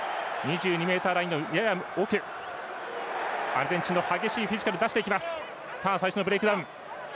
アルゼンチンの激しいフィジカル出していきます。